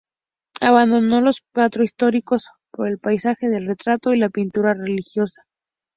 Abandonó los cuadros históricos por el paisaje, el retrato y la pintura religiosa.